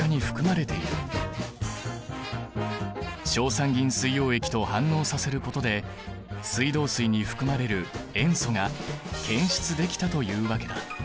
硝酸銀水溶液と反応させることで水道水に含まれる塩素が検出できたというわけだ。